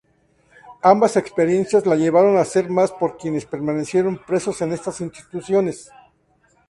Ambas experiencias le llevaron a hacer más por quienes permanecían presos en estas instituciones.